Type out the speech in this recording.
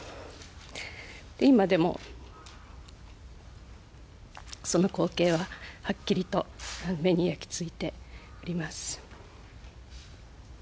今でもその光景ははっきりと目に焼き付いております。